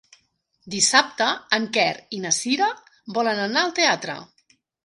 Dissabte en Quer i na Cira volen anar al teatre.